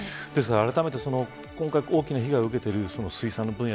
あらためて、今回大きな被害を受けている水産の分野